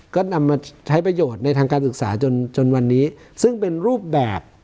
ก็นำมาใช้ประโยชน์ในทางการศึกษาจนจนวันนี้ซึ่งเป็นรูปแบบ